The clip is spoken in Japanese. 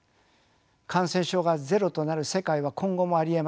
感染症がゼロとなる世界は今後もありえません。